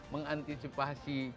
mengantisipasi cuaca x